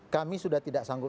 kami sudah tidak sanggup